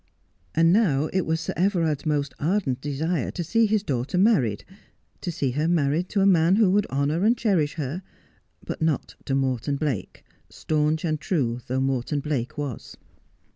And now it was Sir Everard's most ardent desire to see his daughter married — to see her married to a man who would honour and cherish her — but not to Morton Blake, staunch and true though Morton Blake was.